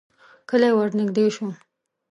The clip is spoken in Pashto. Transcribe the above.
کلی ورنږدې شو.